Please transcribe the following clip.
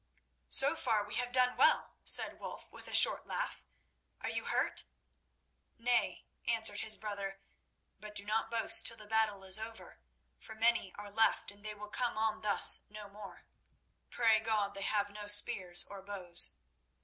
"So far we have done well," said Wulf, with a short laugh. "Are you hurt?" "Nay," answered his brother, "but do not boast till the battle is over, for many are left and they will come on thus no more. Pray God they have no spears or bows."